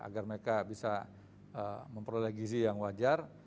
agar mereka bisa memperoleh gizi yang wajar